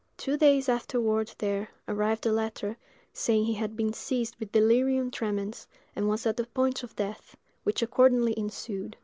Two days afterward there arrived a letter, saying he had been seized with delirium tremens, and was at the point of death; which accordingly ensued.